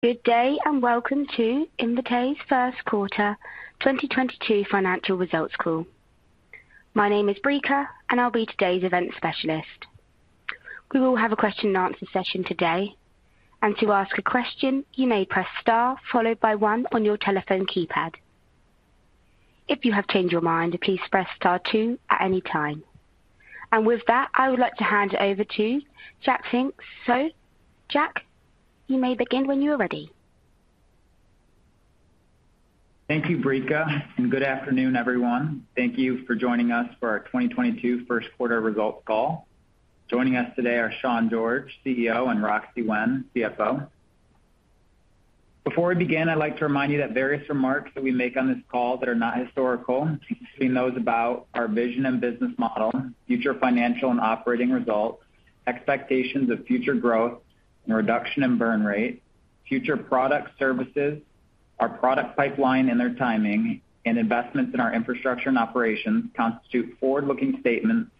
Good day, and welcome to Invitae's first quarter 2022 financial results call. My name is Brica, and I'll be today's event specialist. We will have a question-and-answer session today. To ask a question, you may press star followed by one on your telephone keypad. If you have changed your mind, please press star two at any time. With that, I would like to hand it over to Jack Finks. Jack, you may begin when you're ready. Thank you, Brica, and good afternoon, everyone. Thank you for joining us for our 2022 first quarter results call. Joining us today are Sean George, CEO, and Roxi Wen, CFO. Before we begin, I'd like to remind you that various remarks that we make on this call that are not historical, including those about our vision and business model, future financial and operating results, expectations of future growth and reduction in burn rate, future products, services, our product pipeline and their timing, and investments in our infrastructure and operations constitute forward-looking statements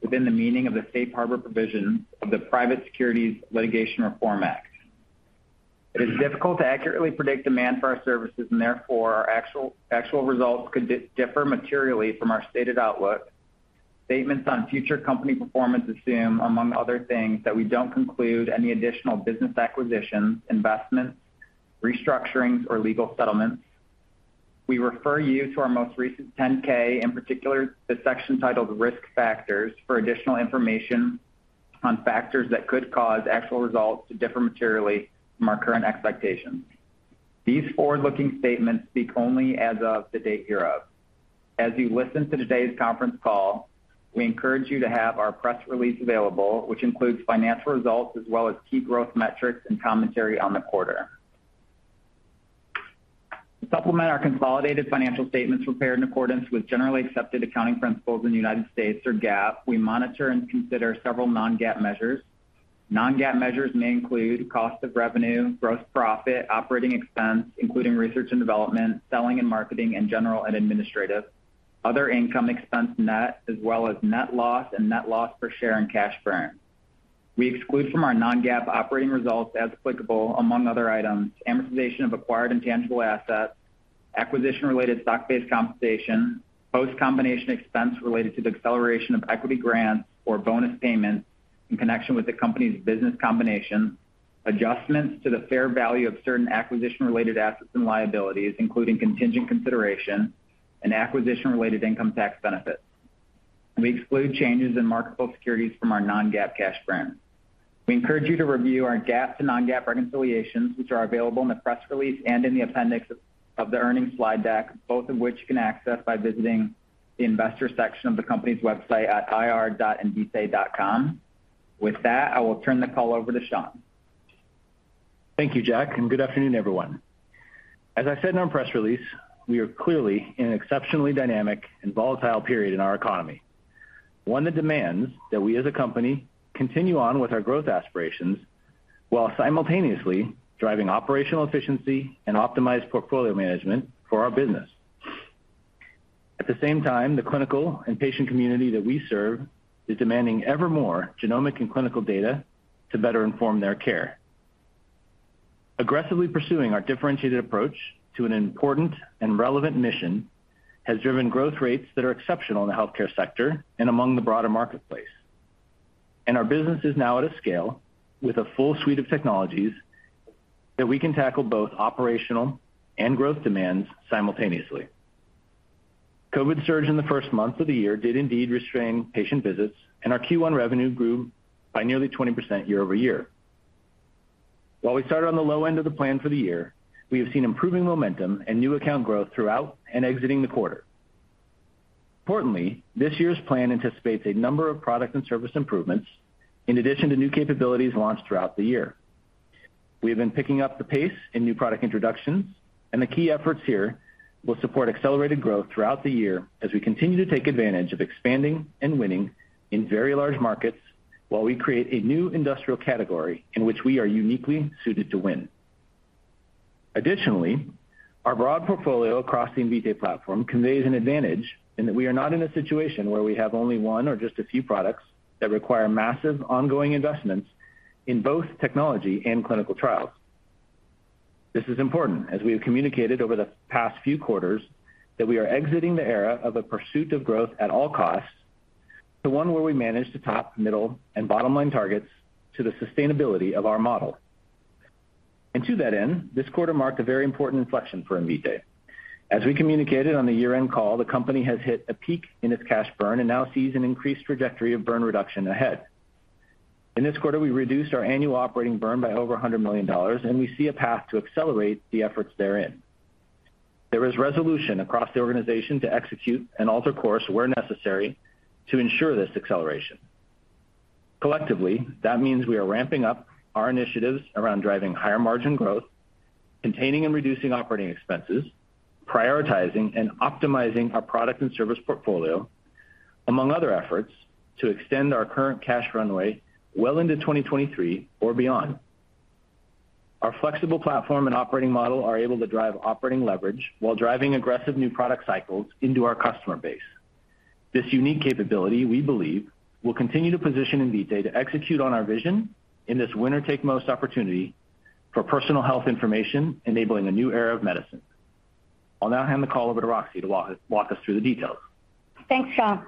within the meaning of the Safe Harbor provisions of the Private Securities Litigation Reform Act. It is difficult to accurately predict demand for our services and therefore our actual results could differ materially from our stated outlook. Statements on future company performance assume, among other things, that we don't conclude any additional business acquisitions, investments, restructurings, or legal settlements. We refer you to our most recent 10-K, in particular, the section titled Risk Factors for additional information on factors that could cause actual results to differ materially from our current expectations. These forward-looking statements speak only as of the date hereof. As you listen to today's conference call, we encourage you to have our press release available, which includes financial results as well as key growth metrics and commentary on the quarter. To supplement our consolidated financial statements prepared in accordance with generally accepted accounting principles in the United States or GAAP, we monitor and consider several non-GAAP measures. non-GAAP measures may include cost of revenue, gross profit, operating expense, including research and development, selling and marketing, and general and administrative, other income expense net, as well as net loss and net loss per share and cash burn. We exclude from our non-GAAP operating results as applicable, among other items, amortization of acquired intangible assets, acquisition-related stock-based compensation, post-combination expense related to the acceleration of equity grants or bonus payments in connection with the company's business combination, adjustments to the fair value of certain acquisition related assets and liabilities, including contingent consideration and acquisition-related income tax benefits. We exclude changes in marketable securities from our non-GAAP cash burn. We encourage you to review our GAAP to non-GAAP reconciliations, which are available in the press release and in the appendix of the earnings slide deck, both of which you can access by visiting the investor section of the company's website at ir.invitae.com. With that, I will turn the call over to Sean. Thank you, Jack, and good afternoon, everyone. As I said in our press release, we are clearly in an exceptionally dynamic and volatile period in our economy, one that demands that we as a company continue on with our growth aspirations while simultaneously driving operational efficiency and optimized portfolio management for our business. At the same time, the clinical and patient community that we serve is demanding ever more genomic and clinical data to better inform their care. Aggressively pursuing our differentiated approach to an important and relevant mission has driven growth rates that are exceptional in the healthcare sector and among the broader marketplace. Our business is now at a scale with a full suite of technologies that we can tackle both operational and growth demands simultaneously. COVID surge in the first month of the year did indeed restrain patient visits, and our Q1 revenue grew by nearly 20% year-over-year. While we started on the low end of the plan for the year, we have seen improving momentum and new account growth throughout and exiting the quarter. Importantly, this year's plan anticipates a number of product and service improvements in addition to new capabilities launched throughout the year. We have been picking up the pace in new product introductions, and the key efforts here will support accelerated growth throughout the year as we continue to take advantage of expanding and winning in very large markets while we create a new industrial category in which we are uniquely suited to win. Additionally, our broad portfolio across the Invitae platform conveys an advantage in that we are not in a situation where we have only one or just a few products that require massive ongoing investments in both technology and clinical trials. This is important as we have communicated over the past few quarters that we are exiting the era of a pursuit of growth at all costs to one where we manage the top, middle, and bottom line targets to the sustainability of our model. To that end, this quarter marked a very important inflection for Invitae. As we communicated on the year-end call, the company has hit a peak in its cash burn and now sees an increased trajectory of burn reduction ahead. In this quarter, we reduced our annual operating burn by over $100 million, and we see a path to accelerate the efforts therein. There is resolution across the organization to execute and alter course where necessary to ensure this acceleration. Collectively, that means we are ramping up our initiatives around driving higher margin growth, containing and reducing operating expenses, prioritizing and optimizing our product and service portfolio, among other efforts to extend our current cash runway well into 2023 or beyond. Our flexible platform and operating model are able to drive operating leverage while driving aggressive new product cycles into our customer base. This unique capability, we believe, will continue to position Invitae to execute on our vision in this winner-take-most opportunity for personal health information, enabling a new era of medicine. I'll now hand the call over to Roxi to walk us through the details. Thanks, Sean.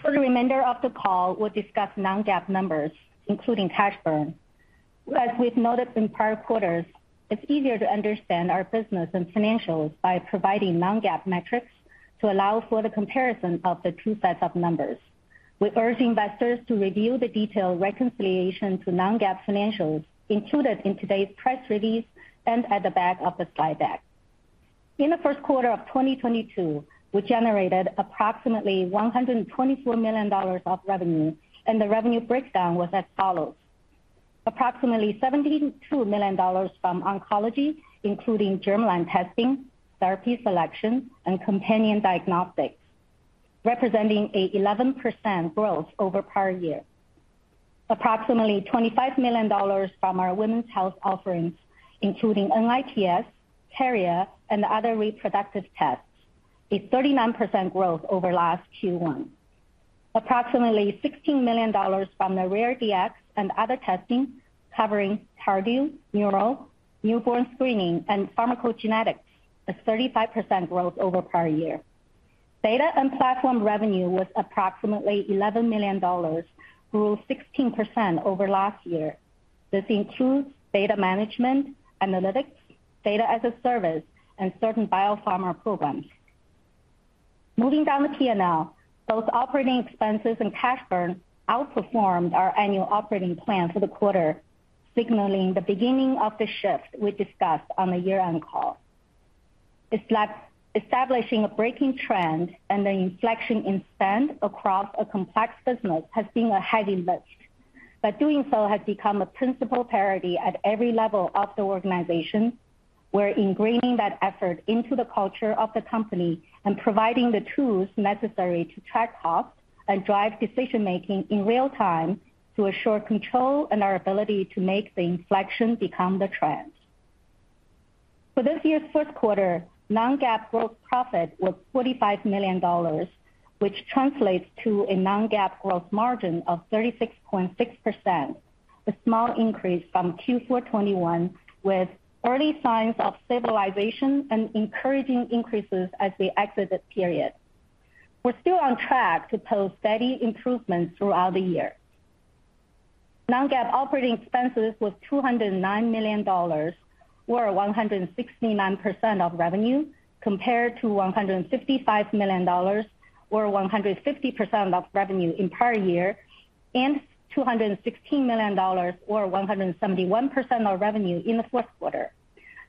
For the remainder of the call, we'll discuss non-GAAP numbers, including cash burn. As we've noted in prior quarters, it's easier to understand our business and financials by providing non-GAAP metrics to allow for the comparison of the two sets of numbers. We urge investors to review the detailed reconciliation to non-GAAP financials included in today's press release and at the back of the slide deck. In the first quarter of 2022, we generated approximately $124 million of revenue, and the revenue breakdown was as follows, approximately $72 million from oncology, including germline testing, therapy selection, and companion diagnostics, representing an 11% growth over prior year. Approximately $25 million from our women's health offerings, including NIPS, carrier, and other reproductive tests, a 39% growth over last Q1. Approximately $16 million from the rare Dx and other testing covering cardio, neural, newborn screening, and pharmacogenetics, 35% growth over prior year. Data and platform revenue was approximately $11 million, grew 16% over last year. This includes data management, analytics, data as a service, and certain biopharma programs. Moving down the P&L, both operating expenses and cash burn outperformed our annual operating plan for the quarter, signaling the beginning of the shift we discussed on the year-end call. Re-establishing a breaking trend and an inflection in spend across a complex business has been a heavy lift, but doing so has become a principal priority at every level of the organization. We're ingraining that effort into the culture of the company and providing the tools necessary to track costs and drive decision-making in real time to assure control and our ability to make the inflection become the trend. For this year's first quarter, non-GAAP gross profit was $45 million, which translates to a non-GAAP gross margin of 36.6%, a small increase from Q4 2021, with early signs of stabilization and encouraging increases as we exit this period. We're still on track to post steady improvements throughout the year. Non-GAAP operating expenses was $209 million, or 169% of revenue, compared to $155 million, or 150% of revenue in prior year, and $216 million or 171% of revenue in the fourth quarter.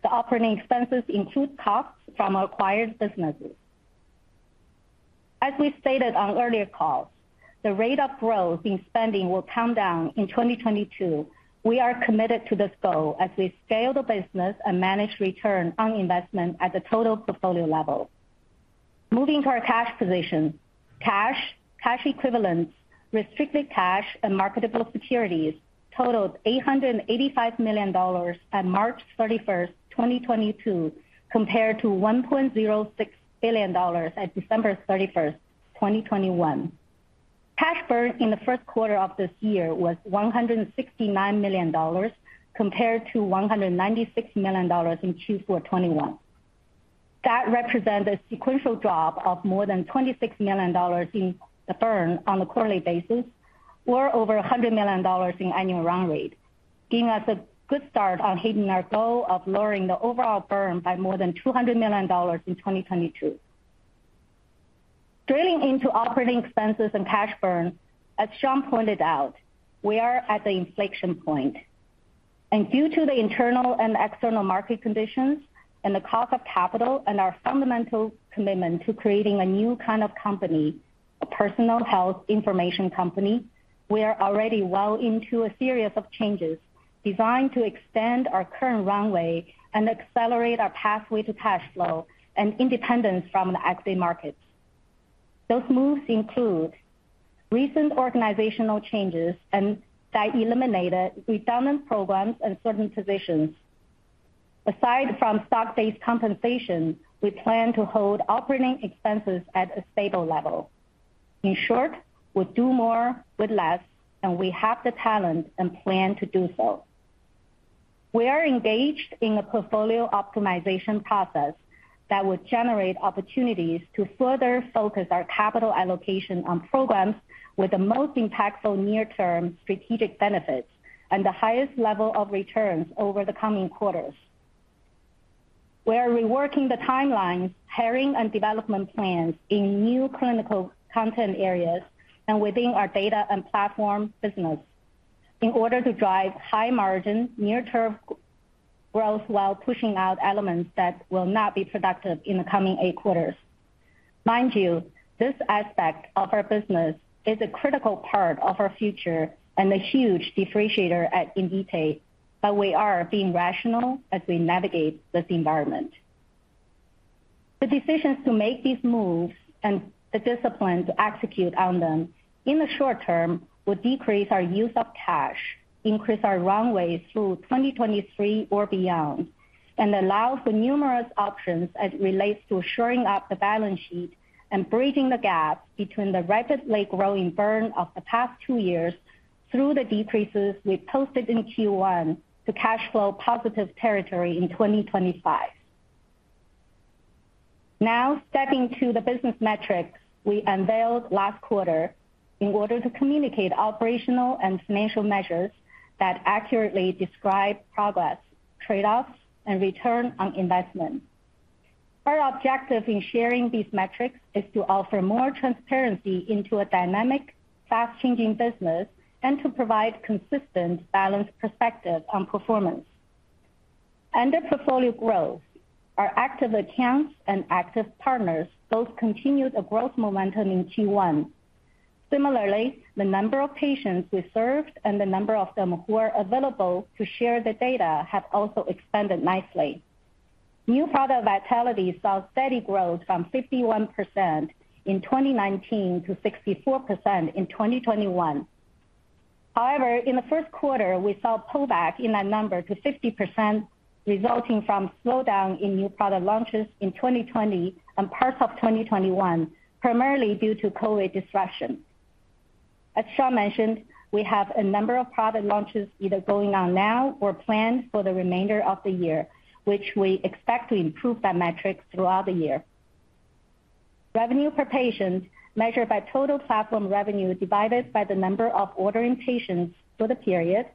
The operating expenses include costs from acquired businesses. As we stated on earlier calls, the rate of growth in spending will come down in 2022. We are committed to this goal as we scale the business and manage return on investment at the total portfolio level. Moving to our cash position. Cash, cash equivalents, restricted cash, and marketable securities totaled $885 million at March 31, 2022, compared to $1.06 billion at December 31, 2021. Cash burn in the first quarter of this year was $169 million compared to $196 million in Q4 2021. That represents a sequential drop of more than $26 million in the burn on a quarterly basis, or over $100 million in annual run rate, giving us a good start on hitting our goal of lowering the overall burn by more than $200 million in 2022. Drilling into operating expenses and cash burn, as Sean pointed out, we are at the inflection point. Due to the internal and external market conditions and the cost of capital and our fundamental commitment to creating a new kind of company, a personal health information company, we are already well into a series of changes designed to extend our current runway and accelerate our pathway to cash flow and independence from the equity markets. Those moves include recent organizational changes and that eliminated redundant programs and certain positions. Aside from stock-based compensation, we plan to hold operating expenses at a stable level. In short, we do more with less, and we have the talent and plan to do so. We are engaged in a portfolio optimization process that will generate opportunities to further focus our capital allocation on programs with the most impactful near-term strategic benefits and the highest level of returns over the coming quarters. We are reworking the timelines, hiring, and development plans in new clinical content areas and within our data and platform business in order to drive high margin near-term growth while pushing out elements that will not be productive in the coming eight quarters. Mind you, this aspect of our business is a critical part of our future and a huge differentiator at Invitae, but we are being rational as we navigate this environment. The decisions to make these moves and the discipline to execute on them in the short term will decrease our use of cash, increase our runways through 2023 or beyond and allows for numerous options as it relates to shoring up the balance sheet and bridging the gap between the rapidly growing burn of the past two years through the decreases we posted in Q1 to cash flow positive territory in 2025. Now stepping to the business metrics we unveiled last quarter in order to communicate operational and financial measures that accurately describe progress, trade-offs, and return on investment. Our objective in sharing these metrics is to offer more transparency into a dynamic, fast-changing business and to provide consistent balanced perspective on performance. Under portfolio growth, our active accounts and active partners both continued a growth momentum in Q1. Similarly, the number of patients we served and the number of them who are available to share the data have also expanded nicely. New product vitality saw steady growth from 51% in 2019 to 64% in 2021. However, in the first quarter, we saw a pullback in that number to 50% resulting from slowdown in new product launches in 2020 and parts of 2021, primarily due to COVID disruption. As Sean mentioned, we have a number of product launches either going on now or planned for the remainder of the year, which we expect to improve that metric throughout the year. Revenue per patient measured by total platform revenue divided by the number of ordering patients for the period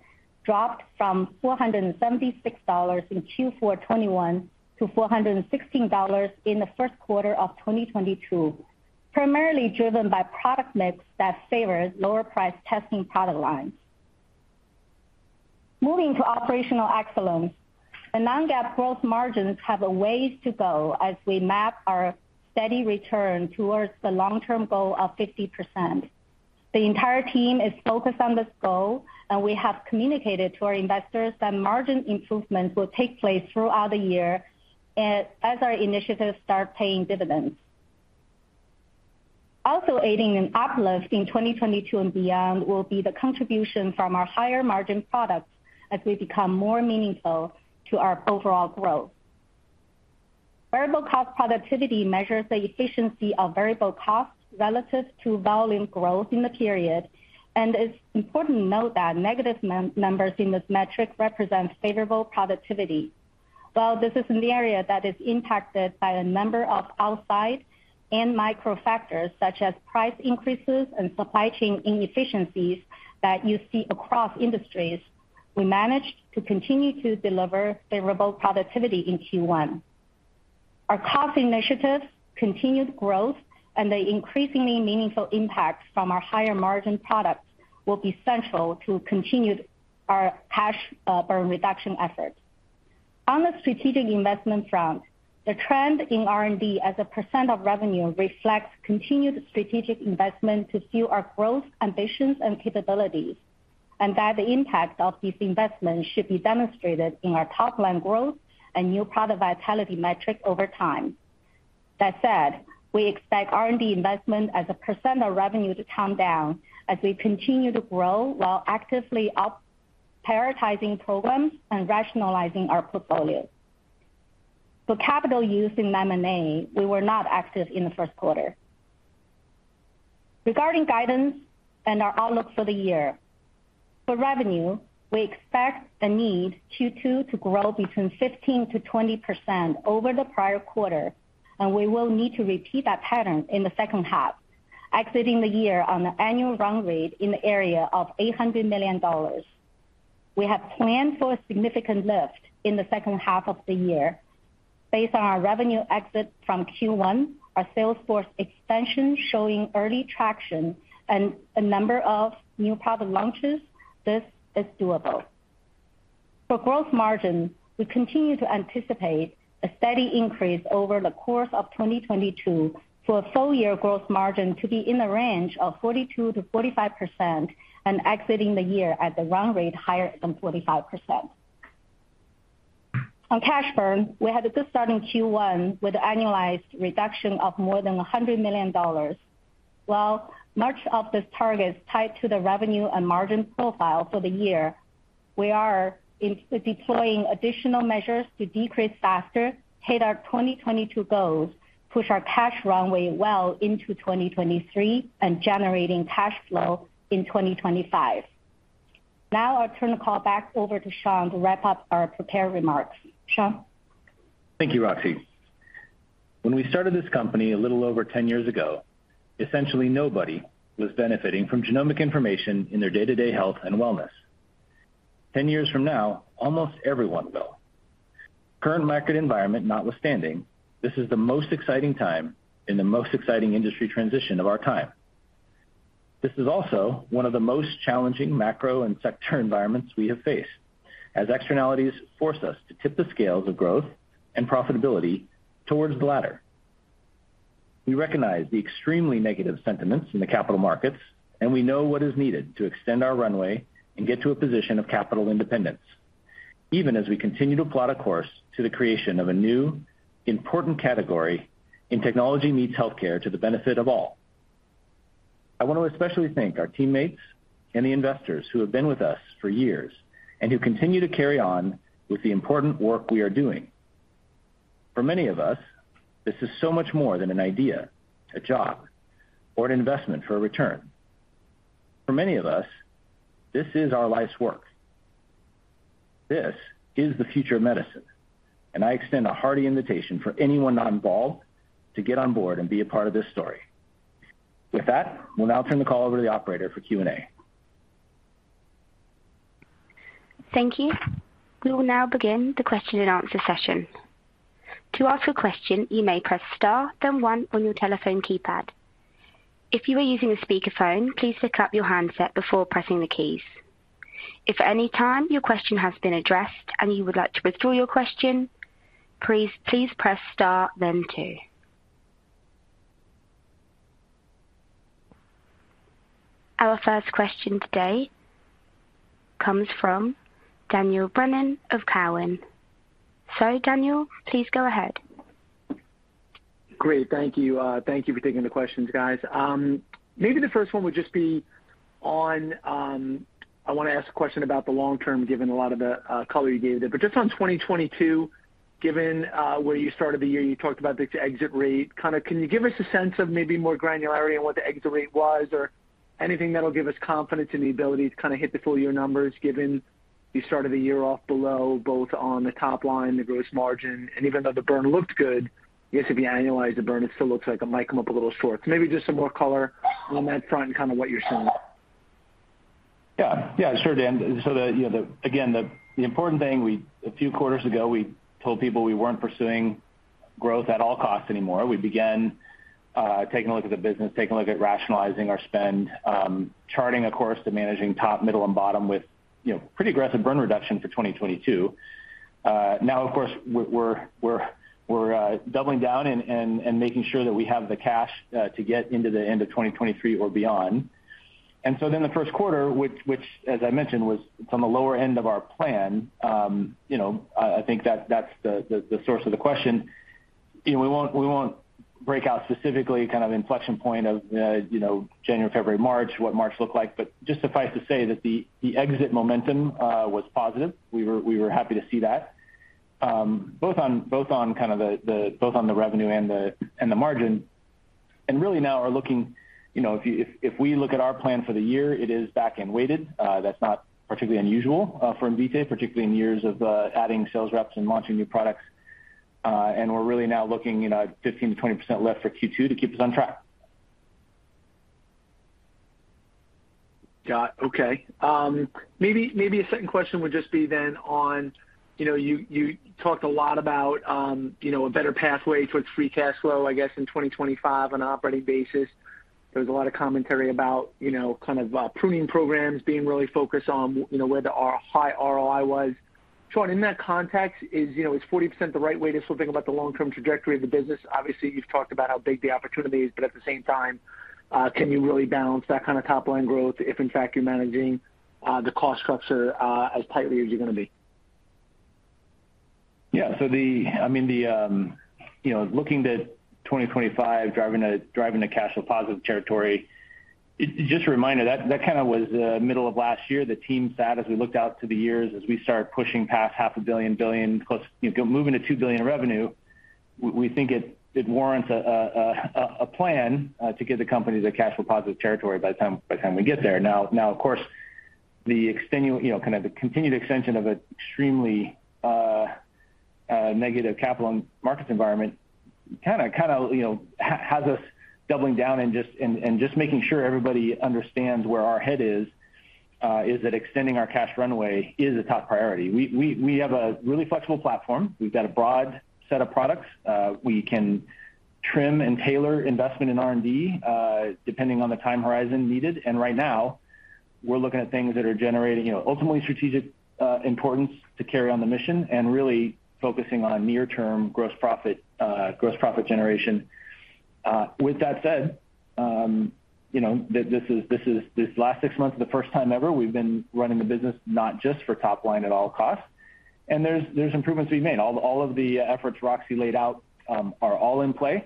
dropped from $476 in Q4 2021 to $416 in the first quarter of 2022, primarily driven by product mix that favors lower price testing product lines. Moving to operational excellence. The non-GAAP gross margins have a ways to go as we make our steady return towards the long-term goal of 50%. The entire team is focused on this goal, and we have communicated to our investors that margin improvements will take place throughout the year, as our initiatives start paying dividends. Also aiding an uplift in 2022 and beyond will be the contribution from our higher margin products as we become more meaningful to our overall growth. Variable cost productivity measures the efficiency of variable costs relative to volume growth in the period. It's important to note that negative numbers in this metric represent favorable productivity. While this is an area that is impacted by a number of outside and micro factors such as price increases and supply chain inefficiencies that you see across industries, we managed to continue to deliver favorable productivity in Q1. Our cost initiatives, continued growth, and the increasingly meaningful impact from our higher margin products will be central to continued our cash burn reduction efforts. On the strategic investment front, the trend in R&D as a percent of revenue reflects continued strategic investment to fuel our growth, ambitions, and capabilities. That the impact of these investments should be demonstrated in our top-line growth and new product vitality metric over time. That said, we expect R&D investment as a percent of revenue to come down as we continue to grow while actively prioritizing programs and rationalizing our portfolio. For capital use in M&A, we were not active in the first quarter. Regarding guidance and our outlook for the year, for revenue, we expect in Q2 to grow between 15%-20% over the prior quarter, and we will need to repeat that pattern in the second half, exiting the year on an annual run rate in the area of $800 million. We have planned for a significant lift in the second half of the year. Based on our revenue exit from Q1, our sales force expansion showing early traction and a number of new product launches, this is doable. For growth margin, we continue to anticipate a steady increase over the course of 2022 for a full year growth margin to be in the range of 42%-45% and exiting the year at the run rate higher than 45%. On cash burn, we had a good start in Q1 with annualized reduction of more than $100 million. While much of this target is tied to the revenue and margin profile for the year, we are deploying additional measures to decrease faster, hit our 2022 goals, push our cash runway well into 2023 and generating cash flow in 2025. Now I'll turn the call back over to Sean to wrap up our prepared remarks. Sean? Thank you, Roxi. When we started this company a little over 10 years ago, essentially nobody was benefiting from genomic information in their day-to-day health and wellness. 10 years from now, almost everyone will. Current market environment notwithstanding, this is the most exciting time and the most exciting industry transition of our time. This is also one of the most challenging macro and sector environments we have faced, as externalities force us to tip the scales of growth and profitability towards the latter. We recognize the extremely negative sentiments in the capital markets, and we know what is needed to extend our runway and get to a position of capital independence, even as we continue to plot a course to the creation of a new, important category in technology meets healthcare to the benefit of all. I want to especially thank our teammates and the investors who have been with us for years and who continue to carry on with the important work we are doing. For many of us, this is so much more than an idea, a job, or an investment for a return. For many of us, this is our life's work. This is the future of medicine, and I extend a hearty invitation for anyone not involved to get on board and be a part of this story. With that, we'll now turn the call over to the operator for Q&A. Thank you. We will now begin the question-and-answer session. To ask a question, you may press star then one on your telephone keypad. If you are using a speakerphone, please pick up your handset before pressing the keys. If at any time your question has been addressed and you would like to withdraw your question, please press star then two. Our first question today comes from Dan Brennan of Cowen. So Dan, please go ahead. Great. Thank you. Thank you for taking the questions, guys. I wanna ask a question about the long term, given a lot of the color you gave there. Just on 2022, given where you started the year, you talked about the exit rate. Kinda, can you give us a sense of maybe more granularity on what the exit rate was or anything that'll give us confidence in the ability to kinda hit the full year numbers, given you started the year off below, both on the top line, the gross margin, and even though the burn looked good, I guess if you annualize the burn, it still looks like it might come up a little short. Maybe just some more color on that front and kinda what you're seeing. Sure, Dan. Again, the important thing a few quarters ago, we told people we weren't pursuing growth at all costs anymore. We began taking a look at the business, taking a look at rationalizing our spend, charting a course to managing top, middle and bottom with pretty aggressive burn reduction for 2022. Now, of course, we're doubling down and making sure that we have the cash to get into the end of 2023 or beyond. The first quarter, which as I mentioned was from a lower end of our plan, I think that's the source of the question. You know, we won't break out specifically kind of inflection point of January, February, March, what March looked like, but just suffice to say that the exit momentum was positive. We were happy to see that both on the revenue and the margin and really now are looking, you know, if we look at our plan for the year, it is back-end weighted. That's not particularly unusual for Invitae, particularly in years of adding sales reps and launching new products. We're really now looking, you know, at 15%-20% left for Q2 to keep us on track. Got it. Okay. Maybe a second question would just be then on, you know, you talked a lot about, you know, a better pathway towards free cash flow, I guess, in 2025 on an operating basis. There's a lot of commentary about, you know, kind of, pruning programs being really focused on, you know, where the high ROI was. Sean, in that context, is, you know, is 40% the right way to think about the long-term trajectory of the business? Obviously, you've talked about how big the opportunity is, but at the same time, can you really balance that kind of top-line growth if in fact you're managing the cost structure as tightly as you're gonna be? Yeah. I mean, the, you know, looking to 2025, driving to cash flow positive territory, just a reminder, that kinda was middle of last year. The team sat as we looked out to the years as we start pushing past half a billion, $1 billion+, you know, moving to $2 billion in revenue. We think it warrants a plan to get the company to cash flow positive territory by the time we get there. Now, of course, you know, kind of the continued extension of extremely negative capital and market environment kinda, you know, has us doubling down and just making sure everybody understands where our head is, that extending our cash runway is a top priority. We have a really flexible platform. We've got a broad set of products. We can trim and tailor investment in R&D, depending on the time horizon needed. Right now we're looking at things that are generating, you know, ultimately strategic importance to carry on the mission and really focusing on near term gross profit, gross profit generation. With that said, you know, this last six months is the first time ever we've been running the business not just for top line at all costs. There's improvements we've made. All of the efforts Roxi laid out are all in play,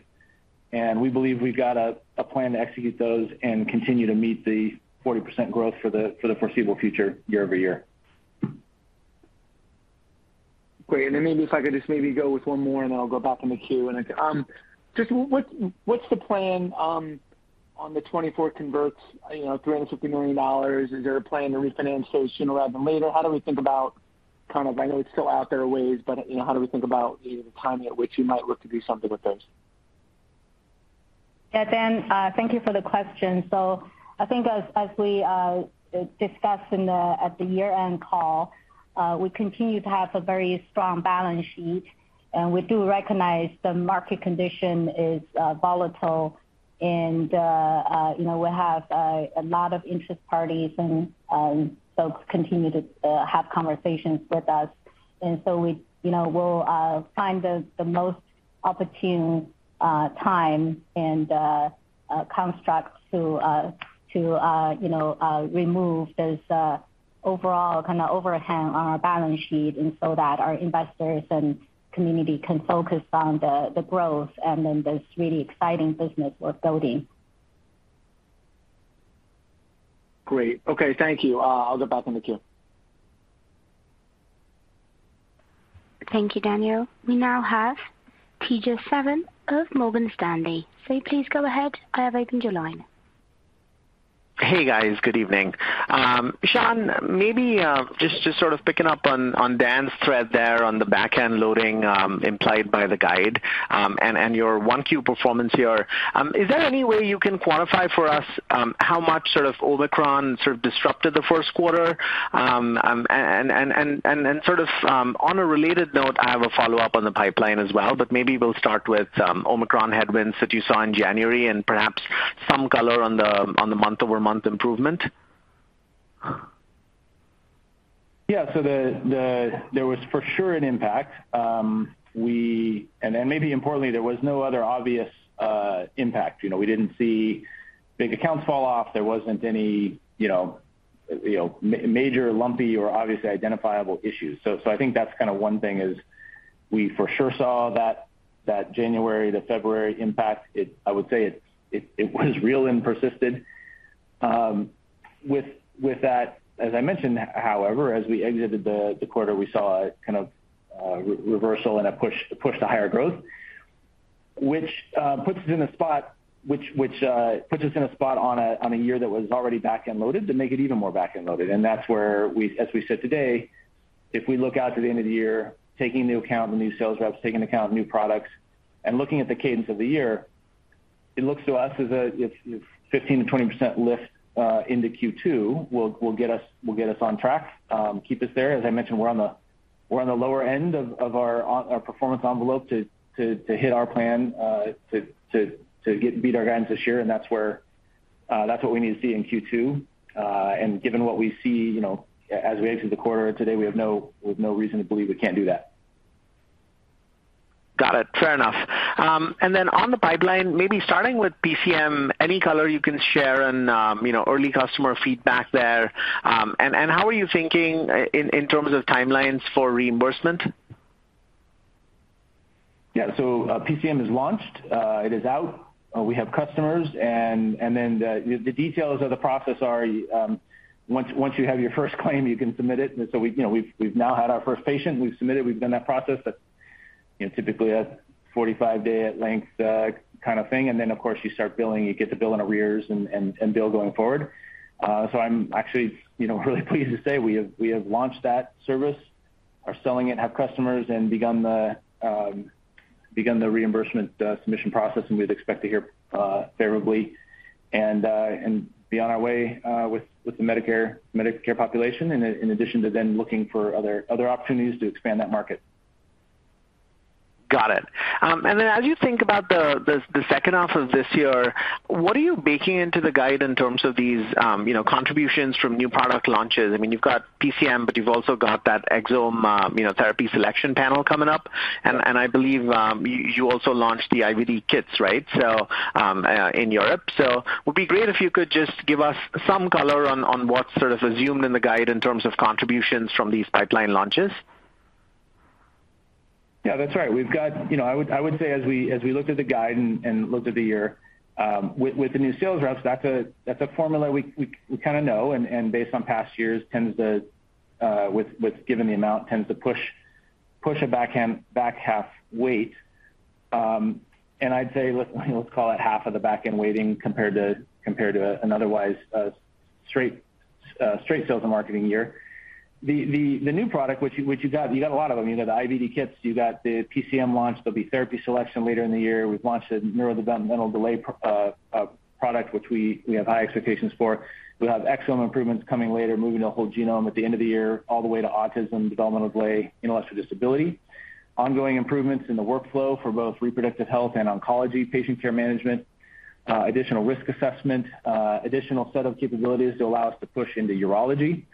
and we believe we've got a plan to execute those and continue to meet the 40% growth for the foreseeable future year-over-year. Great. Then maybe if I could just maybe go with one more, and then I'll go back in the queue. What's the plan on the 2024 convertibles, you know, $350 million? Is there a plan to refinance those sooner rather than later? How do we think about kind of, I know it's still out there a ways, but, you know, how do we think about the timing at which you might look to do something with those? Yeah. Dan, thank you for the question. I think as we discussed at the year-end call, we continue to have a very strong balance sheet, and we do recognize the market condition is volatile. You know, we have a lot of interested parties and folks continue to have conversations with us. We, you know, we'll find the most opportune time and construct to you know, remove those overall kind of overhang on our balance sheet and so that our investors and community can focus on the growth and then this really exciting business we're building. Great. Okay, thank you. I'll get back in the queue. Thank you, Dan. We now have Tejas Savant of Morgan Stanley. Please go ahead. I have opened your line. Hey, guys. Good evening. Sean George, maybe just sort of picking up on Dan Brennan's thread there on the back-end loading implied by the guide, and your 1Q performance here. Is there any way you can quantify for us how much sort of Omicron sort of disrupted the first quarter? And sort of on a related note, I have a follow-up on the pipeline as well, but maybe we'll start with Omicron headwinds that you saw in January and perhaps some color on the month-over-month improvement. Yeah, there was for sure an impact. Maybe importantly, there was no other obvious impact. You know, we didn't see big accounts fall off. There wasn't any, you know, major lumpy or obviously identifiable issues. I think that's kinda one thing is we for sure saw that January to February impact. I would say it was real and persisted. With that, as I mentioned, however, as we exited the quarter, we saw a kind of reversal and a push to higher growth, which puts us in a spot which puts us in a spot on a year that was already back-end loaded to make it even more back-end loaded. That's where we—as we said today, if we look out to the end of the year, taking into account the new sales reps, taking into account new products, and looking at the cadence of the year, it looks to us as a 15%-20% lift into Q2 will get us on track, keep us there. As I mentioned, we're on the lower end of our performance envelope to hit our plan, to beat our guidance this year, and that's where—that's what we need to see in Q2. Given what we see, you know, as we enter the quarter today, we have no reason to believe we can't do that. Got it. Fair enough. On the pipeline, maybe starting with PCM, any color you can share and, you know, early customer feedback there. How are you thinking in terms of timelines for reimbursement? Yeah. PCM is launched. It is out. We have customers and then the details of the process are once you have your first claim, you can submit it. We, you know, we've now had our first patient. We've submitted, we've done that process. That's, you know, typically a 45-day length kind of thing. Then, of course, you start billing, you get to bill in arrears and bill going forward. I'm actually, you know, really pleased to say we have launched that service, are selling it, have customers and begun the reimbursement submission process, and we'd expect to hear favorably and be on our way with the Medicare population in addition to then looking for other opportunities to expand that market. Got it. And then as you think about the second half of this year, what are you baking into the guide in terms of these, you know, contributions from new product launches? I mean, you've got PCM, but you've also got that exome, you know, therapy selection panel coming up. And I believe, you also launched the IVD kits, right? So, in Europe. So would be great if you could just give us some color on what's sort of assumed in the guide in terms of contributions from these pipeline launches. Yeah, that's right. We've got you know, I would say as we looked at the guide and looked at the year with the new sales reps, that's a formula we kinda know and based on past years tends to with given the amount tends to push a back-half weight. And I'd say, let's you know, let's call it half of the back-end weighting compared to an otherwise straight sales and marketing year. The new product which you got a lot of them. You got the IVD kits, you got the PCM launch. There'll be therapy selection later in the year. We've launched a neurodevelopmental delay product, which we have high expectations for. We have exome improvements coming later, moving to whole genome at the end of the year, all the way to autism, developmental delay, intellectual disability. Ongoing improvements in the workflow for both reproductive health and oncology, patient care management, additional risk assessment, additional set of capabilities to allow us to push into urology.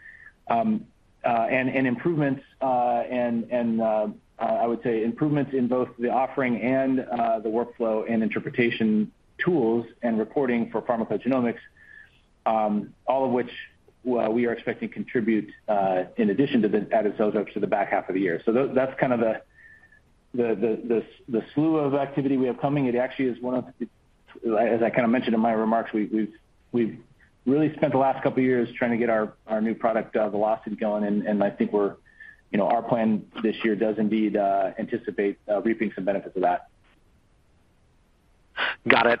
I would say improvements in both the offering and the workflow and interpretation tools and reporting for pharmacogenomics, all of which we are expecting contribute, in addition to the added to the back half of the year. That's kind of the slew of activity we have coming. As I kind of mentioned in my remarks, we've really spent the last couple of years trying to get our new product velocity going, and I think, you know, our plan this year does indeed anticipate reaping some benefits of that. Got it.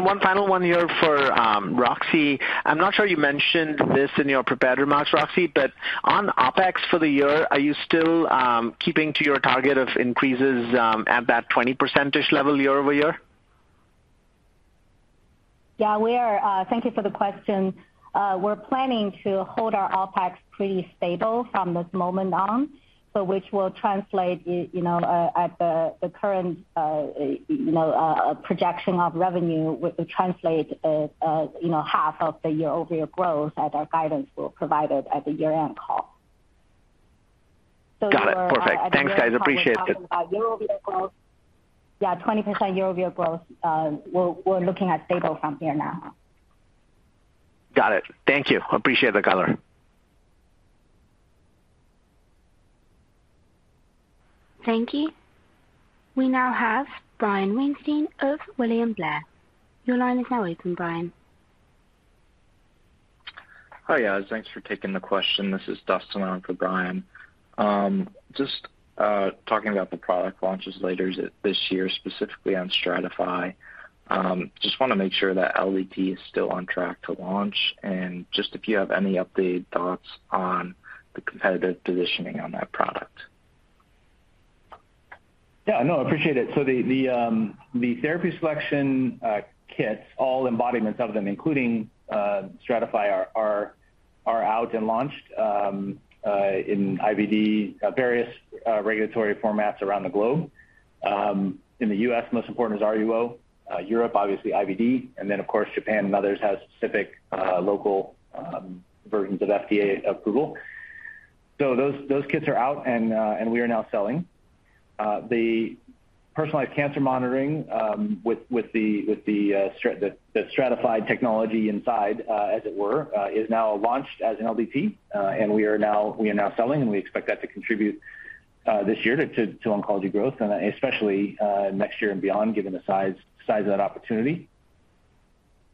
One final one here for, Roxi. I'm not sure you mentioned this in your prepared remarks, Roxi, but on OpEx for the year, are you still keeping to your target of increases at that 20% level year-over-year? Yeah, we are. Thank you for the question. We're planning to hold our OpEx pretty stable from this moment on, so which will translate, you know, at the current, you know, projection of revenue will translate as, you know, half of the year-over-year growth as our guidance were provided at the year-end call. Thanks guys, appreciate it. Talking about year-over-year growth. Yeah, 20% year-over-year growth. We're looking at stable from here now. Got it. Thank you. Appreciate the color. Thank you. We now have Brian Weinstein of William Blair. Your line is now open, Brian. Hi guys, thanks for taking the question. This is Dustin on for Brian. Just talking about the product launches later this year, specifically on Stratify. Just wanna make sure that LDT is still on track to launch and just if you have any update thoughts on the competitive positioning on that product. Yeah, no, I appreciate it. The therapy selection kits, all embodiments of them, including Stratify are out and launched in IVD various regulatory formats around the globe. In the U.S., most important is RUO, Europe, obviously IVD, and then of course Japan and others have specific local versions of FDA approval. Those kits are out and we are now selling. The Personalized Cancer Monitoring with the Stratify technology inside, as it were, is now launched as an LDT. We are now selling and we expect that to contribute this year to oncology growth and especially next year and beyond, given the size of that opportunity.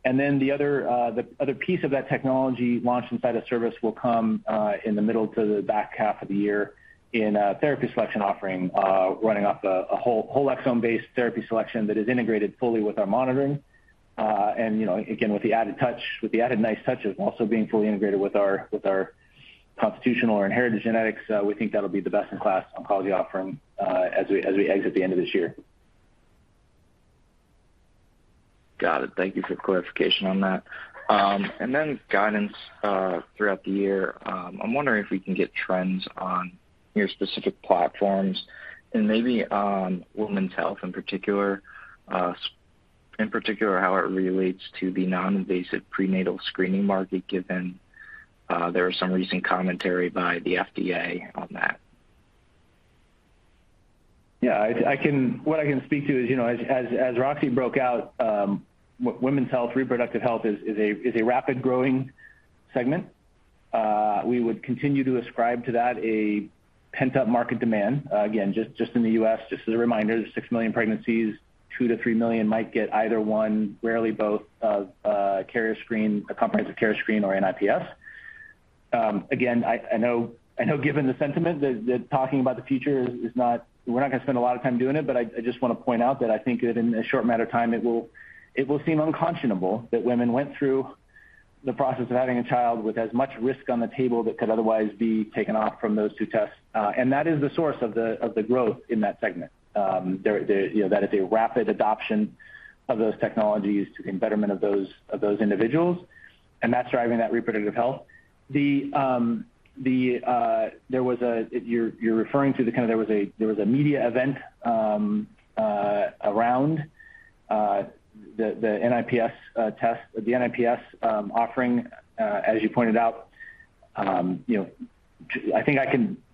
Then the other piece of that technology launched inside of service will come in the middle to the back half of the year in a therapy selection offering, running off a whole exome-based therapy selection that is integrated fully with our monitoring. You know, again, with the added touch, with the added nice touches and also being fully integrated with our constitutional or inherited genetics, we think that'll be the best in class oncology offering, as we exit the end of this year. Got it. Thank you for the clarification on that. Guidance throughout the year. I'm wondering if we can get trends on your specific platforms and maybe on women's health in particular. In particular, how it relates to the non-invasive prenatal screening market, given there are some recent commentary by the FDA on that. Yeah, what I can speak to is, you know, as Roxi broke out, women's health, reproductive health is a rapidly growing segment. We would continue to ascribe to that a pent-up market demand. Again, just in the U.S. just as a reminder, there's 6 million pregnancies, 2 million-3 million might get either one, rarely both of carrier screen, a comprehensive carrier screen or an NIPS. Again, I know given the sentiment that talking about the future is not. We're not gonna spend a lot of time doing it, but I just wanna point out that I think that in a short amount of time, it will seem unconscionable that women went through the process of having a child with as much risk on the table that could otherwise be taken off from those two tests. That is the source of the growth in that segment. You know, that is a rapid adoption of those technologies to the betterment of those individuals, and that's driving that reproductive health. You're referring to the media event around the NIPS test, the NIPS offering, as you pointed out. You know, I think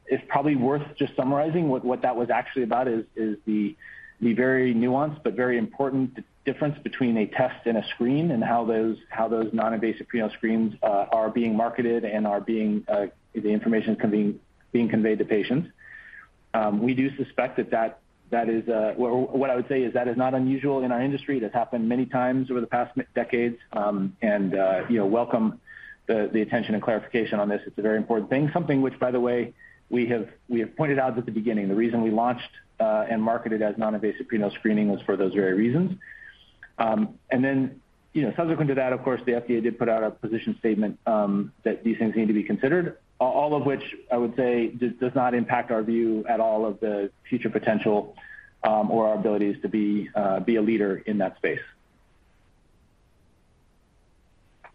it's probably worth just summarizing what that was actually about is the very nuanced but very important difference between a test and a screen and how those non-invasive prenatal screens are being marketed and the information's being conveyed to patients. We do suspect that is, or what I would say is that is not unusual in our industry. It has happened many times over the past many decades. You know, we welcome the attention and clarification on this. It's a very important thing, something which by the way, we have pointed out at the beginning, the reason we launched and marketed as non-invasive prenatal screening was for those very reasons. You know, subsequent to that, of course, the FDA did put out a position statement that these things need to be considered, all of which I would say does not impact our view at all of the future potential or our abilities to be a leader in that space.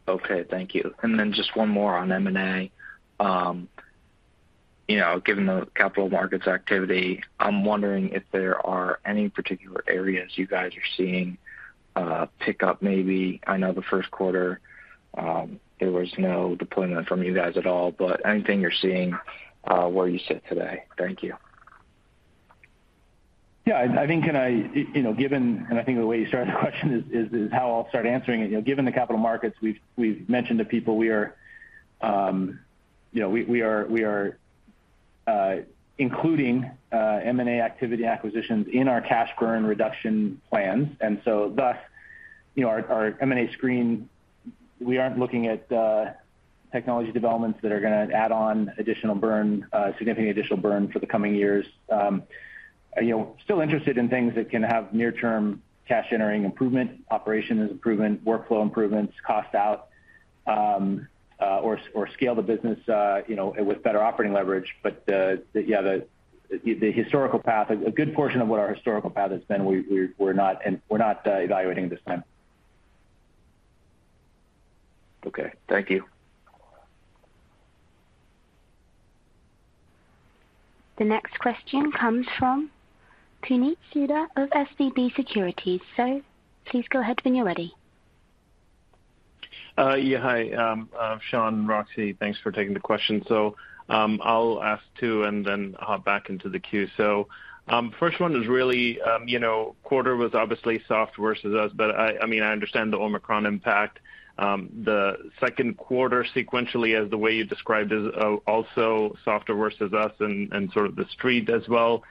Okay, thank you. Just one more on M&A. You know, given the capital markets activity, I'm wondering if there are any particular areas you guys are seeing pick up maybe. I know the first quarter there was no deployment from you guys at all, but anything you're seeing where you sit today? Thank you. I think the way you started the question is how I'll start answering it. You know, given the capital markets, we've mentioned to people we are including M&A activity acquisitions in our cash burn reduction plans. Thus, you know, our M&A screen, we aren't looking at technology developments that are gonna add on additional burn, significant additional burn for the coming years. You know, still interested in things that can have near term cash generating improvement, operations improvement, workflow improvements, cost out, or scale the business, you know, with better operating leverage. The historical path, a good portion of what our historical path has been, we're not evaluating at this time. Okay. Thank you. The next question comes from Puneet Souda of SVB Securities. Please go ahead when you're ready. Yeah, hi. Sean, Roxi, thanks for taking the question. I'll ask two and then hop back into the queue. First one is really, you know, quarter was obviously soft versus us, but I mean, I understand the Omicron impact. The second quarter sequentially as the way you described it, also softer versus us and sort of the street as well.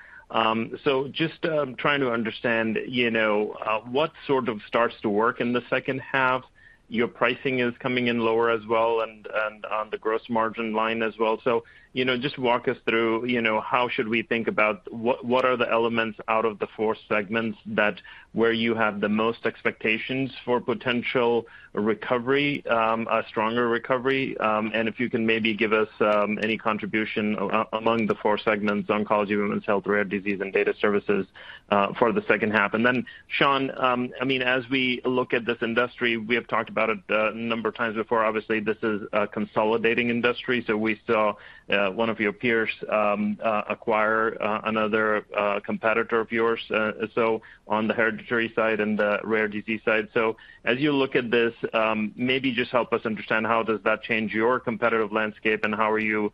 Just trying to understand, you know, what sort of starts to work in the second half. Your pricing is coming in lower as well and on the gross margin line as well. You know, just walk us through, you know, how should we think about what are the elements out of the four segments that where you have the most expectations for potential recovery, a stronger recovery? If you can maybe give us any contribution among the four segments, oncology, women's health, rare disease and data services for the second half. Then, Sean, I mean, as we look at this industry, we have talked about it a number of times before. Obviously, this is a consolidating industry. We saw one of your peers acquire another competitor of yours, so on the hereditary side and the rare disease side. As you look at this, maybe just help us understand how does that change your competitive landscape and how are you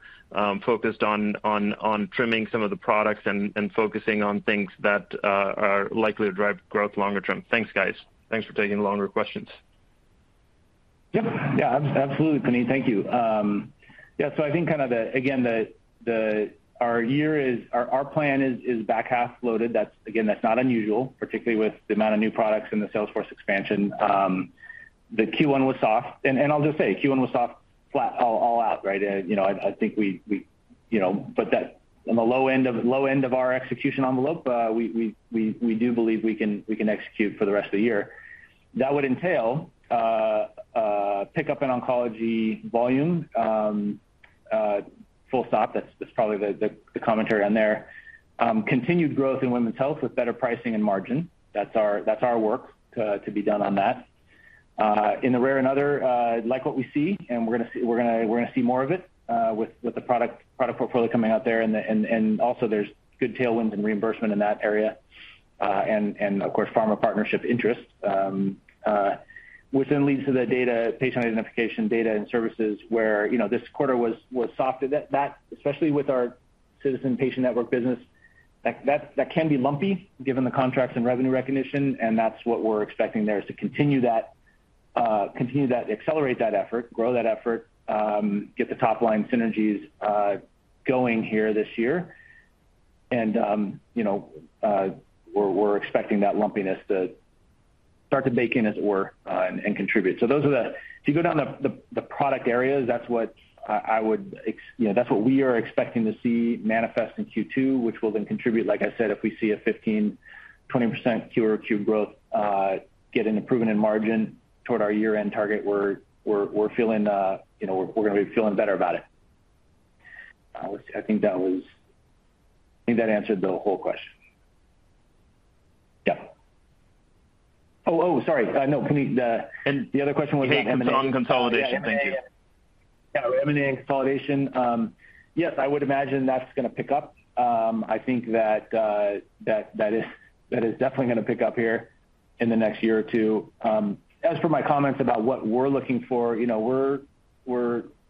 focused on trimming some of the products and focusing on things that are likely to drive growth longer term? Thanks, guys. Thanks for taking longer questions. Yeah. Yeah, absolutely, Puneet. Thank you. Yeah, so I think kind of the—again, the our plan is back half loaded. That's again, that's not unusual, particularly with the amount of new products and the sales force expansion. The Q1 was soft. I'll just say Q1 was soft, flat, all out, right? You know, I think we do believe we can execute for the rest of the year. That would entail pick up in oncology volume, full stop. That's probably the commentary on there. Continued growth in women's health with better pricing and margin. That's our work to be done on that. In the rare and other, like what we see, and we're gonna see more of it with the product portfolio coming out there. Also there's good tailwinds and reimbursement in that area, and of course pharma partnership interest, which then leads to the patient identification data and services where, you know, this quarter was soft. That especially with our Ciitizen platform business, that can be lumpy given the contracts and revenue recognition, and that's what we're expecting there, is to continue that, accelerate that effort, grow that effort, get the top line synergies going here this year. You know, we're expecting that lumpiness to start to bake in as it were, and contribute. If you go down the product areas, that's what I would expect, you know, that's what we are expecting to see manifest in Q2, which will then contribute, like I said, if we see a 15%-20% Q-over-Q growth, get an improvement in margin toward our year-end target, we're feeling, you know, we're gonna be feeling better about it. Let's see. I think that answered the whole question. Yeah. Oh, sorry. No, Puneet, the other question was on M&A. On consolidation. Thank you. Yeah, M&A and consolidation. Yes, I would imagine that's gonna pick up. I think that is definitely gonna pick up here in the next year or two. As for my comments about what we're looking for, you know,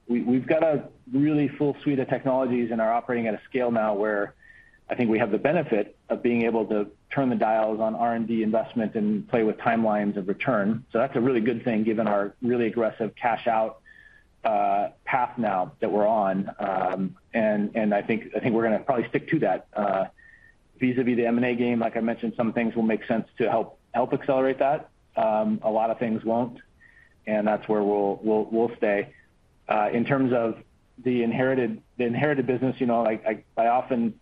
we've got a really full suite of technologies and are operating at a scale now where I think we have the benefit of being able to turn the dials on R&D investment and play with timelines of return. That's a really good thing given our really aggressive cash out path now that we're on. I think we're gonna probably stick to that. Vis-à-vis the M&A game, like I mentioned, some things will make sense to help accelerate that. A lot of things won't, and that's where we'll stay. In terms of the inherited business, you know, like I often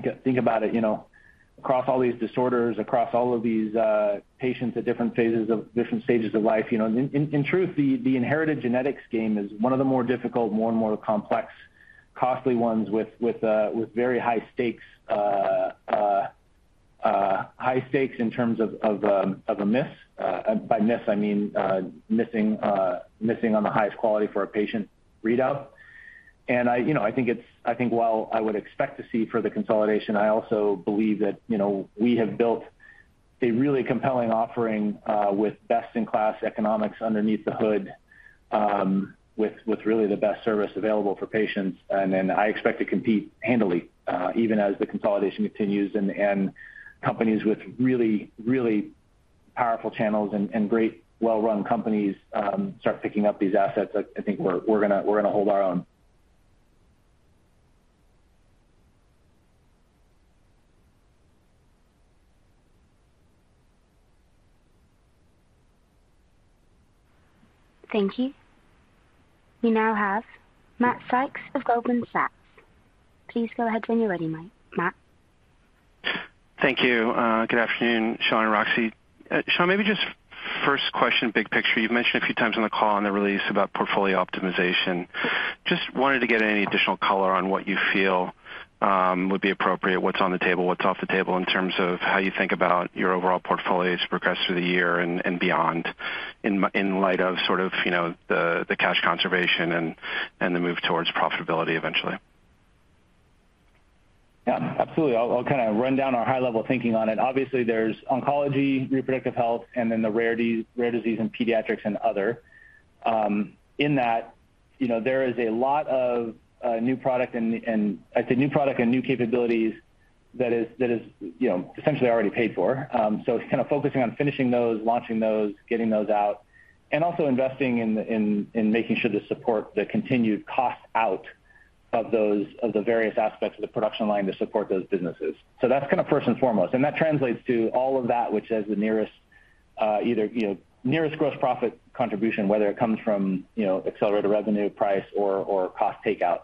think about it, you know, across all these disorders, across all of these patients at different stages of life, you know. In truth, the inherited genetics game is one of the more difficult, more and more complex, costly ones with very high stakes in terms of a miss. By miss, I mean missing on the highest quality for a patient readout. I you know think while I would expect to see further consolidation, I also believe that, you know, we have built a really compelling offering with best-in-class economics underneath the hood, with really the best service available for patients. I expect to compete handily, even as the consolidation continues and companies with really powerful channels and great, well-run companies start picking up these assets. I think we're gonna hold our own. Thank you. We now have Matthew Sykes of Goldman Sachs. Please go ahead when you're ready, Matt. Thank you. Good afternoon, Sean and Roxi. Sean, maybe just first question, big picture. You've mentioned a few times on the call and the release about portfolio optimization. Just wanted to get any additional color on what you feel would be appropriate, what's on the table, what's off the table in terms of how you think about your overall portfolio as you progress through the year and beyond in light of you know, the cash conservation and the move towards profitability eventually. Yeah, absolutely. I'll kind of run down our high-level thinking on it. Obviously, there's oncology, reproductive health, and then rare disease in pediatrics and other. In that, you know, there is a lot of new product and new capabilities that is, you know, essentially already paid for. So it's kind of focusing on finishing those, launching those, getting those out, and also investing in making sure to support the continued cost out of those of the various aspects of the production line to support those businesses. So that's kind of first and foremost, and that translates to all of that which has the nearest gross profit contribution, whether it comes from, you know, accelerated revenue, price or cost takeout.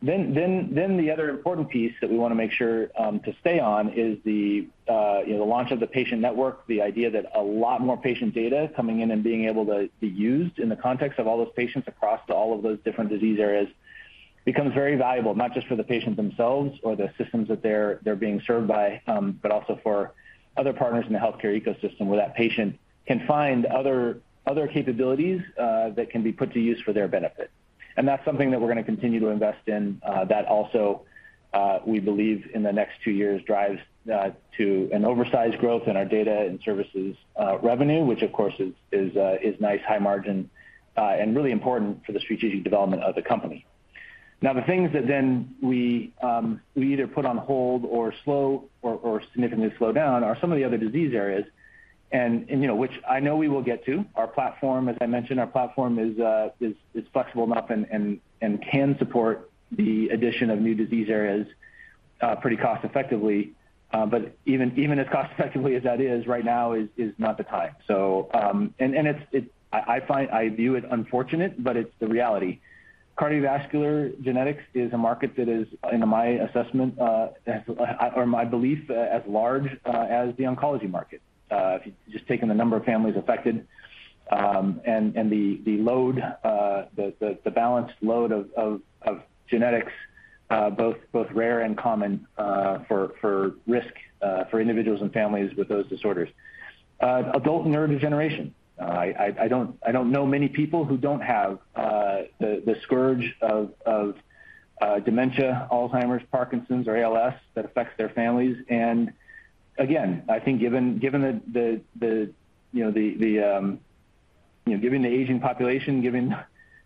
The other important piece that we wanna make sure to stay on is, you know, the launch of the Ciitizen platform, the idea that a lot more patient data coming in and being able to be used in the context of all those patients across all of those different disease areas becomes very valuable, not just for the patients themselves or the systems that they're being served by, but also for other partners in the healthcare ecosystem where that patient can find other capabilities that can be put to use for their benefit. That's something that we're gonna continue to invest in, that also we believe in the next two years drives to an outsize growth in our data and services revenue, which of course is nice high margin and really important for the strategic development of the company. Now, the things that then we either put on hold or slow or significantly slow down are some of the other disease areas and you know which I know we will get to. Our platform, as I mentioned, our platform is flexible enough and can support the addition of new disease areas pretty cost effectively. Even as cost effectively as that is, right now is not the time. I view it unfortunate, but it's the reality. Cardiovascular genetics is a market that is, in my assessment, has, or my belief, as large, as the oncology market, if you just taken the number of families affected, and the load, the balanced load of genetics, both rare and common, for risk, for individuals and families with those disorders. Adult neurodegeneration, I don't know many people who don't have the scourge of dementia, Alzheimer's, Parkinson's, or ALS that affects their families. Again, I think, given the aging population, given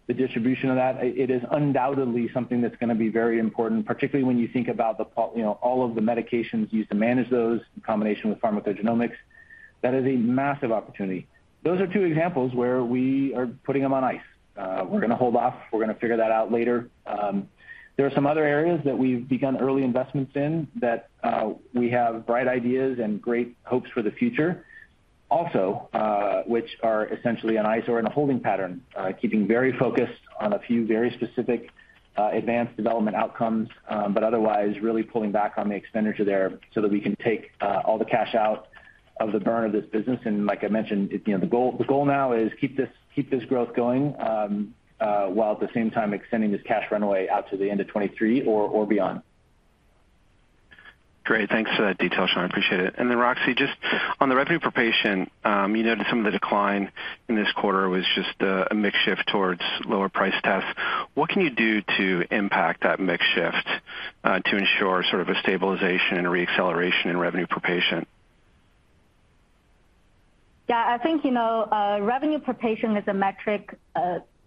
the distribution of that, it is undoubtedly something that's gonna be very important, particularly when you think about you know all of the medications used to manage those in combination with pharmacogenomics. That is a massive opportunity. Those are two examples where we are putting them on ice. We're gonna hold off. We're gonna figure that out later. There are some other areas that we've begun early investments in that we have bright ideas and great hopes for the future. which are essentially on ice or in a holding pattern, keeping very focused on a few very specific advanced development outcomes, but otherwise really pulling back on the expenditure there so that we can take all the cash out of the burn of this business. Like I mentioned, you know, the goal now is keep this growth going while at the same time extending this cash runway out to the end of 2023 or beyond. Great. Thanks for that detail, Sean. I appreciate it. Then, Roxi, just on the revenue per patient, you noted some of the decline in this quarter was just a mix shift towards lower-priced tests. What can you do to impact that mix shift, to ensure sort of a stabilization and re-acceleration in revenue per patient? Yeah, I think, you know, revenue per patient is a metric,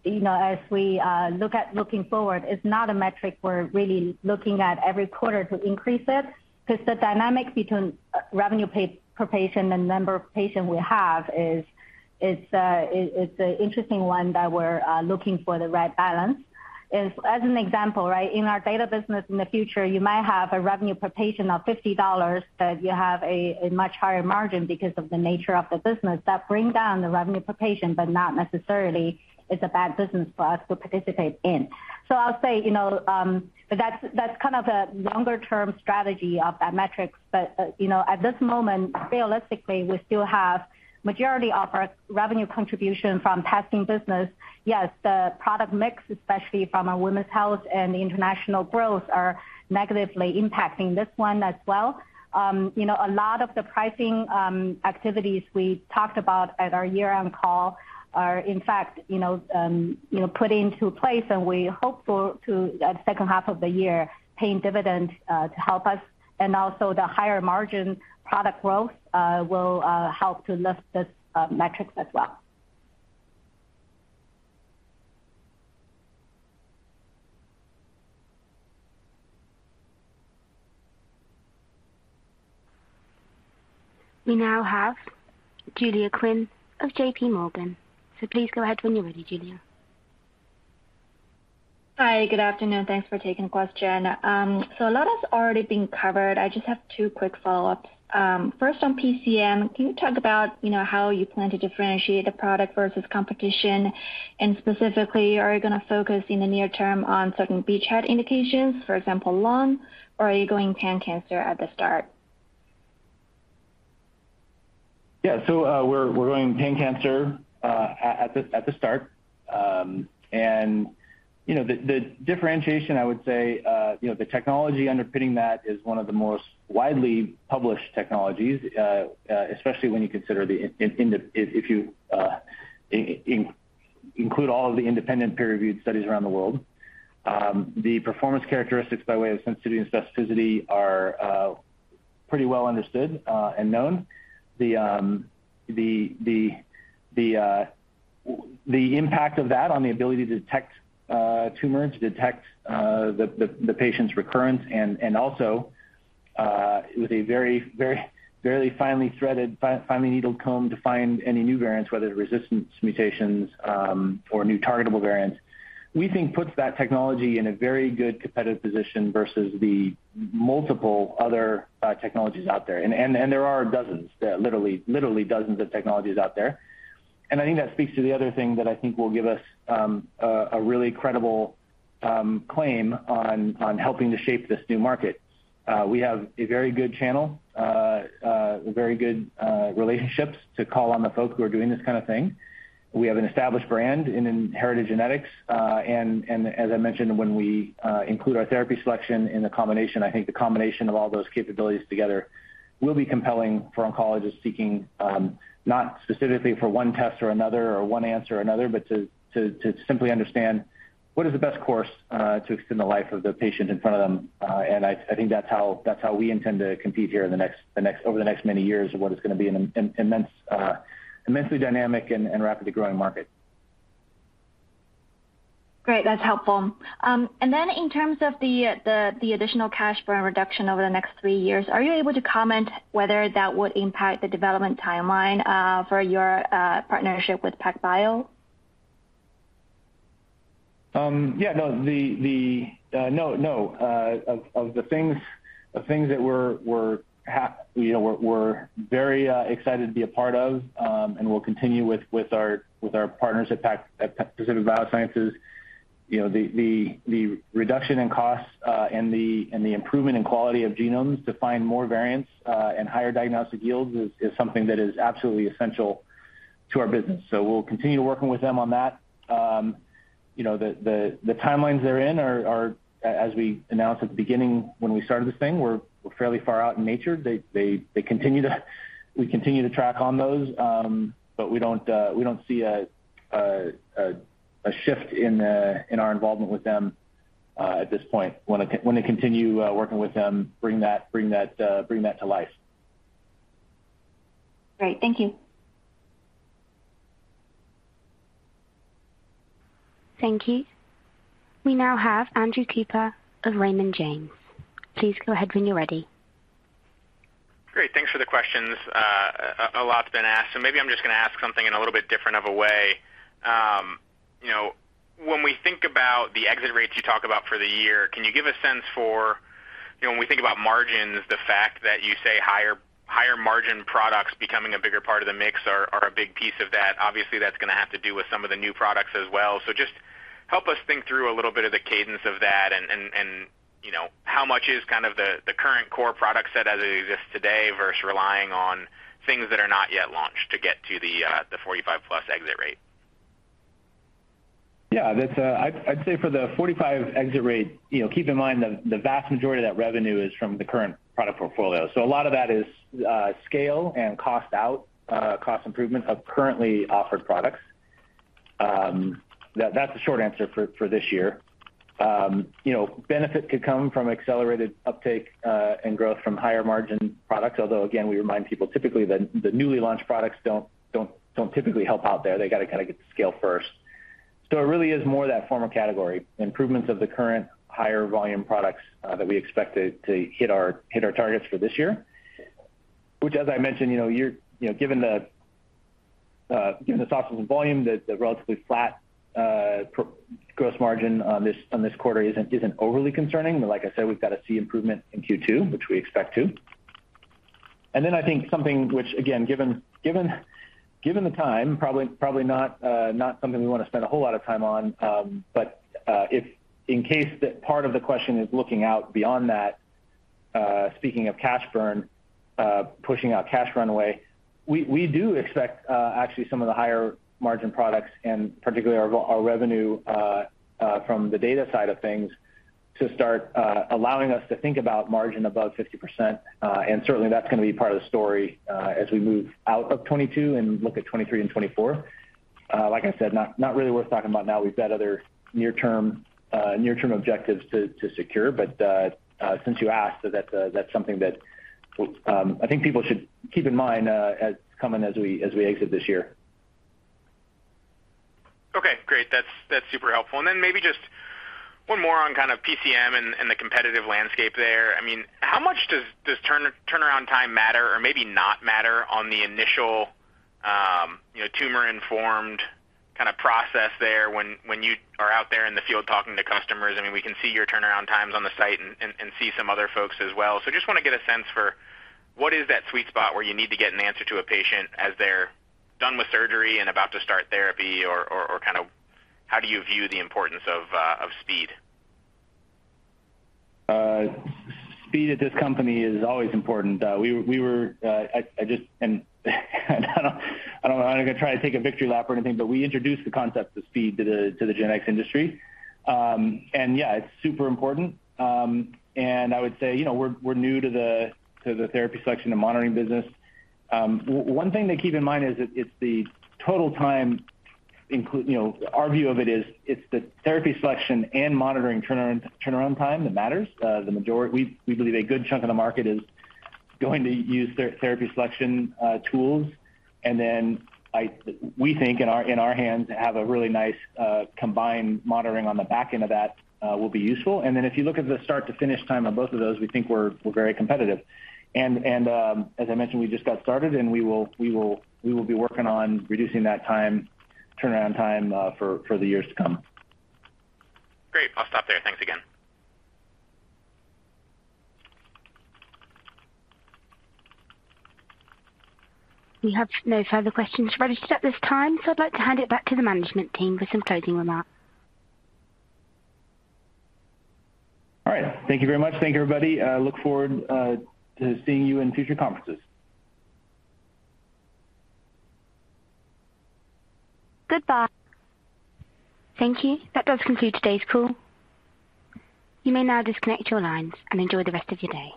you know, as we look forward, it's not a metric we're really looking at every quarter to increase it 'cause the dynamic between revenue paid per patient and number of patients we have is, it's an interesting one that we're looking for the right balance. As an example, right, in our data business in the future, you might have a revenue per patient of $50, but you have a much higher margin because of the nature of the business. That bring down the revenue per patient, but not necessarily is a bad business for us to participate in. I'll say, you know, but that's kind of the longer-term strategy of that metric. You know, at this moment, realistically, we still have majority of our revenue contribution from testing business. Yes, the product mix, especially from our women's health and the international growth, are negatively impacting this one as well. You know, a lot of the pricing activities we talked about at our year-end call are, in fact, you know, put into place, and we hope for to, at second half of the year, paying dividends to help us, and also the higher margin product growth will help to lift this metrics as well. We now have Julia Qin of JPMorgan. Please go ahead when you're ready, Julia. Hi. Good afternoon. Thanks for taking the question. A lot has already been covered. I just have two quick follow-ups. First on PCM, can you talk about, you know, how you plan to differentiate the product versus competition? And specifically, are you gonna focus in the near term on certain beachhead indications, for example, lung, or are you going pan-cancer at the start? Yeah. We're going pan-cancer at the start. You know, the differentiation, I would say, you know, the technology underpinning that is one of the most widely published technologies, especially when you consider if you in- Include all of the independent peer-reviewed studies around the world. The performance characteristics by way of sensitivity and specificity are pretty well understood and known. The impact of that on the ability to detect tumors, to detect the patient's recurrence and also with a very finely threaded, finely needled comb to find any new variants, whether resistance mutations or new targetable variants, we think puts that technology in a very good competitive position versus the multiple other technologies out there. There are dozens. There are literally dozens of technologies out there. I think that speaks to the other thing that I think will give us a really credible claim on helping to shape this new market. We have a very good channel, very good relationships to call on the folks who are doing this kind of thing. We have an established brand in hereditary genetics. As I mentioned when we include our therapy selection in the combination, I think the combination of all those capabilities together will be compelling for oncologists seeking not specifically for one test or another or one answer or another, but to simply understand what is the best course to extend the life of the patient in front of them. I think that's how we intend to compete here over the next many years of what is gonna be an immensely dynamic and rapidly growing market. Great. That's helpful. In terms of the additional cash burn reduction over the next three years, are you able to comment whether that would impact the development timeline for your partnership with PacBio? Yeah, no. One of the things that we're you know very excited to be a part of, and we'll continue with our partners at PacBio. You know, the reduction in costs and the improvement in quality of genomes to find more variants and higher diagnostic yields is something that is absolutely essential to our business. We'll continue working with them on that. You know, the timelines they're in are as we announced at the beginning when we started this thing, we're fairly far out in nature. They continue to. We continue to track on those, but we don't see a shift in our involvement with them at this point. Wanna continue working with them, bring that to life. Great. Thank you. Thank you. We now have Andrew Cooper of Raymond James. Please go ahead when you're ready. Great. Thanks for the questions. A lot's been asked, so maybe I'm just gonna ask something in a little bit different of a way. You know, when we think about the exit rates you talk about for the year, can you give a sense for you know, when we think about margins, the fact that you say higher margin products becoming a bigger part of the mix are a big piece of that. Obviously, that's gonna have to do with some of the new products as well. Just help us think through a little bit of the cadence of that and you know, how much is kind of the current core product set as it exists today versus relying on things that are not yet launched to get to the 45+ exit rate? Yeah. That's... I'd say for the 45% exit rate, you know, keep in mind the vast majority of that revenue is from the current product portfolio. A lot of that is scale and cost out, cost improvement of currently offered products. That's the short answer for this year. You know, benefit could come from accelerated uptake and growth from higher margin products, although again, we remind people typically the newly launched products don't typically help out there. They gotta kinda get to scale first. It really is more that former category, improvements of the current higher volume products that we expect to hit our targets for this year, which as I mentioned, you know, you're. You know, given the softness of volume, the relatively flat gross margin on this quarter isn't overly concerning. Like I said, we've got to see improvement in Q2, which we expect to. I think something which again, given the time, probably not something we wanna spend a whole lot of time on, but if in case that part of the question is looking out beyond that, speaking of cash burn, pushing out cash runway, we do expect actually some of the higher margin products and particularly our revenue from the data side of things to start allowing us to think about margin above 50%. Certainly that's gonna be part of the story as we move out of 2022 and look at 2023 and 2024. Like I said, not really worth talking about now. We've got other near-term objectives to secure. Since you asked, that's something that I think people should keep in mind as we exit this year. Okay, great. That's super helpful. Maybe just one more on kind of PCM and the competitive landscape there. I mean, how much does turnaround time matter or maybe not matter on the initial, you know, tumor-informed kind of process there when you are out there in the field talking to customers? I mean, we can see your turnaround times on the site and see some other folks as well. Just wanna get a sense for what is that sweet spot where you need to get an answer to a patient as they're done with surgery and about to start therapy or kind of how do you view the importance of speed? Speed at this company is always important. I don't know if I'm gonna try to take a victory lap or anything, but we introduced the concept of speed to the genetic testing industry. Yeah, it's super important. I would say, you know, we're new to the therapy selection and monitoring business. One thing to keep in mind is it's the total time. You know, our view of it is, it's the therapy selection and monitoring turnaround time that matters. We believe a good chunk of the market is going to use therapy selection tools. We think in our hands to have a really nice combined monitoring on the back end of that will be useful. If you look at the start to finish time on both of those, we think we're very competitive. As I mentioned, we just got started and we will be working on reducing that time, turnaround time for the years to come. Great. I'll stop there. Thanks again. We have no further questions registered at this time, so I'd like to hand it back to the management team for some closing remarks. All right. Thank you very much. Thank you, everybody. I look forward to seeing you in future conferences. Goodbye. Thank you. That does conclude today's call. You may now disconnect your lines and enjoy the rest of your day.